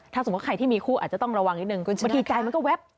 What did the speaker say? ถ้าสมมุติใครที่มีคู่อาจจะต้องระวังนิดนึงบางทีใจมันก็แป๊บ